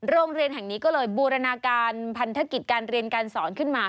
โรงเรียนแห่งนี้ก็เลยบูรณาการพันธกิจการเรียนการสอนขึ้นมา